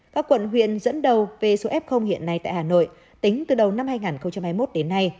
các quận huyện dẫn đầu về số f hiện nay tại hà nội tính từ đầu năm hai nghìn hai mươi một đến nay